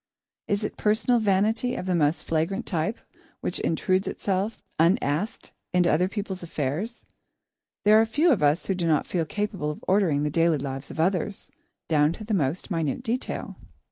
[Sidenote: Personal Vanity] It is personal vanity of the most flagrant type which intrudes itself, unasked, into other people's affairs. There are few of us who do not feel capable of ordering the daily lives of others, down to the most minute detail.